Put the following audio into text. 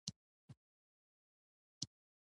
تواب د دېوال سيوري ته د خرې پر کته کېناست.